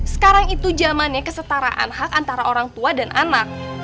sekarang itu zamannya kesetaraan hak antara orang tua dan anak